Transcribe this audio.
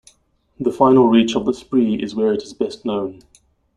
The final reach of the Spree is where it is best known.